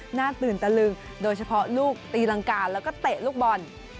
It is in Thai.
หน้าตื่นตะลึงโดยเฉพาะลูกตีรังกาแล้วก็เตะลูกบอล